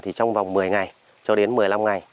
thì trong vòng một mươi ngày cho đến một mươi năm ngày